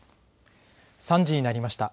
３時になりました。